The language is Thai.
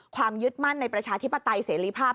ยึดมั่นในประชาธิปไตยเสรีภาพ